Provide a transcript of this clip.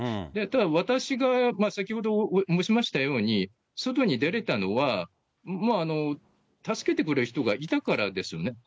ただ、私が先ほど申しましたように、外に出れたのは、助けてくれる人がいたからですよね。